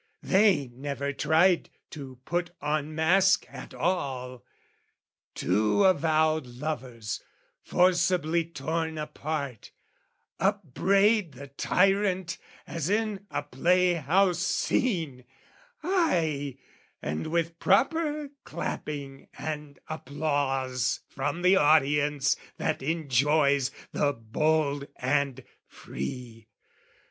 They never tried to put on mask at all: Two avowed lovers forcibly torn apart, Upbraid the tyrant as in a playhouse scene, Ay, and with proper clapping and applause From the audience that enjoys the bold and free.